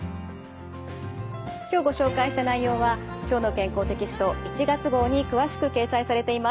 今日ご紹介した内容は「きょうの健康」テキスト１月号に詳しく掲載されています。